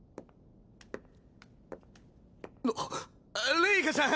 レイカちゃん！